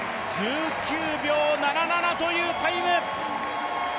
１９秒７７というタイム。